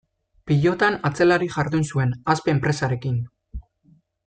Pilotan, atzelari jardun zuen, Aspe enpresarekin.